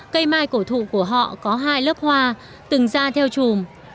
cây mai cổ thụ của họ có hai lớp hoa từng ra theo chùm